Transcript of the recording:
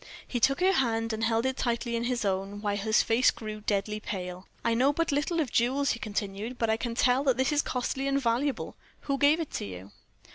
He took her hand and held it tightly in his own, while his face grew deadly pale. "I know but little of jewels," he continued, "but I can tell that this is costly and valuable. Who gave it to you?"